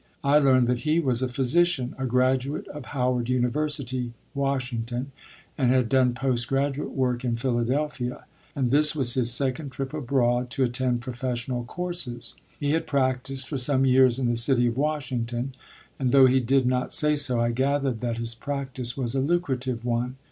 I learned that he was a physician, a graduate of Howard University, Washington, and had done post graduate work in Philadelphia; and this was his second trip abroad to attend professional courses. He had practiced for some years in the city of Washington, and though he did not say so, I gathered that his practice was a lucrative one.